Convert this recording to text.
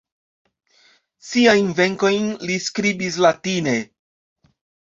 Siajn verkojn li skribis latine.